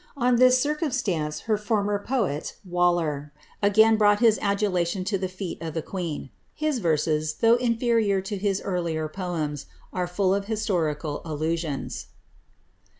On this circumstance her former poet, WaUtft ^ again brought his adulation to the feet of the queen. His verses, thongk < inferior to his earlier poems, are full of historical allusions.